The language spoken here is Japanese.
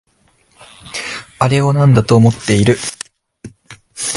あれをなんだと思ってる？